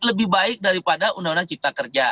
lebih baik daripada undang undang cipta kerja